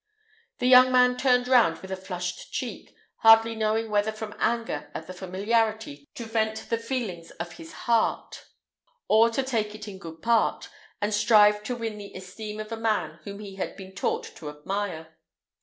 The young man turned round with a flushed cheek, hardly knowing whether from anger at the familiarity to vent the feelings of his heart, or to take it in good part, and strive to win the esteem of a man whom he had been taught to admire.